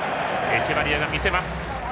エチェバリアがみせます。